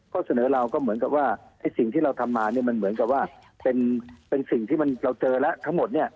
เสนอเราก็เหมือนกับว่าสิ่งที่เราทำมาเนี่ยมันเหมือนกับว่าเป็นสิ่งที่เราเจอแล้วทั้งหมดเนี่ย